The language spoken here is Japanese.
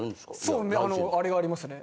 そうあれがありますね。